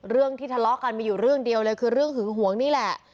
เรื่องที่ทะเลาะกันมีอยู่เรื่องเดียวเลยคือเรื่องหึงหวงนี่แหละ